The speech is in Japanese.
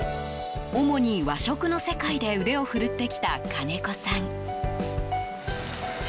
主に和食の世界で腕を振るってきた金子さん。